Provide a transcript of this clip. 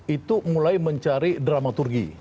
itu mulai mencari dramaturgi